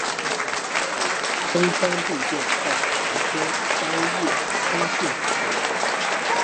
牲川步见在磐田山叶青训出身。